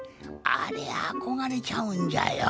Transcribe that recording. あれあこがれちゃうんじゃよ。